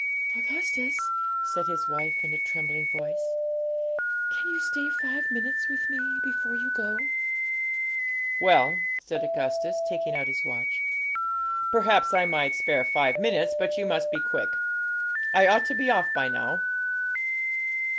'Augustus,' said his wife, in a trembling voice, 'can you stay five minutes with me before you go?' 'Well,' said Augustus, taking out his watch, 'perhaps I might spare five minutes; but you must be quick. I ought to be off by now.'